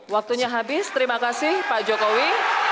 waktunya habis terima kasih pak jokowi